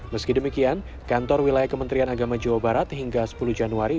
meski demikian kantor wilayah kementerian agama jawa barat hingga sepuluh januari